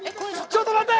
ちょっと待って！